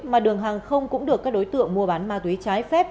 mà đường hàng không cũng được các đối tượng mua bán ma túy trái phép